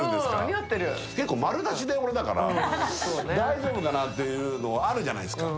結構、丸出しで俺だから大丈夫かなってあるじゃないですか。